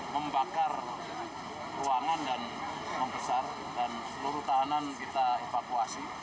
membakar ruangan dan membesar dan seluruh tahanan kita evakuasi